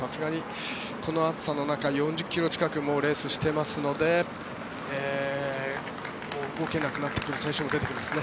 この暑さの中、４０ｋｍ近くもうレースしていますのでもう動けなくなってくる選手も出てきますね。